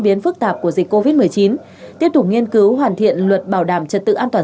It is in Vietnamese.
biến phức tạp của dịch covid một mươi chín tiếp tục nghiên cứu hoàn thiện luật bảo đảm trật tự an toàn